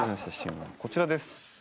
こちらです。